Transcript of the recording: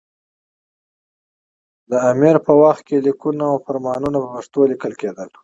دې امیر په وخت کې لیکونه او فرمانونه په پښتو لیکل کېدل.